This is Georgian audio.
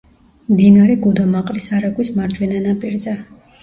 მდინარე გუდამაყრის არაგვის მარჯვენა ნაპირზე.